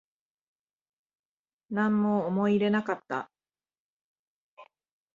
なんも思い入れなかった